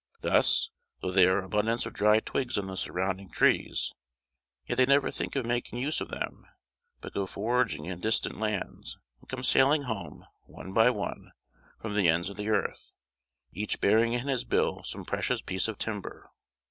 Thus, though there are abundance of dry twigs on the surrounding trees, yet they never think of making use of them, but go foraging in distant lands, and come sailing home, one by one, from the ends of the earth, each bearing in his bill some precious piece of timber.